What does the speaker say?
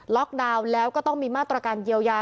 ดาวน์แล้วก็ต้องมีมาตรการเยียวยา